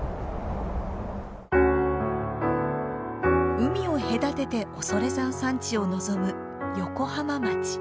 海を隔てて恐山山地を望む横浜町。